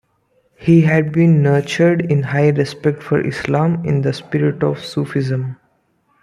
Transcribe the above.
He had been nurtured in high respect for Islam in the spirit of Sufism.